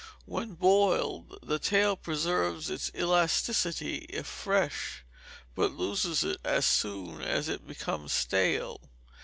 When boiled, the tail preserves its elasticity if fresh, but loses it as soon as it becomes stale.